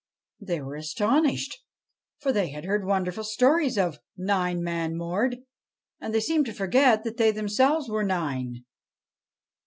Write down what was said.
They were all astonished, for they had heard wonderful stories of Nine Man Mord ; and they seemed to forget that they themselves were nine.